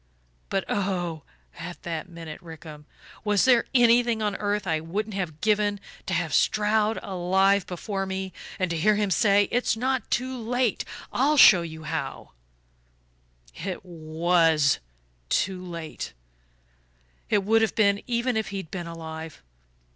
But, oh, at that minute, Rickham, was there anything on earth I wouldn't have given to have Stroud alive before me, and to hear him say: 'It's not too late I'll show you how'? "It WAS too late it would have been, even if he'd been alive.